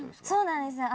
そうなんです